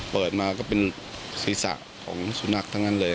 เปิดมาก็เป็นศีรษะของสุนัขทั้งนั้นเลย